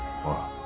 ああ